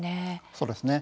そうですね。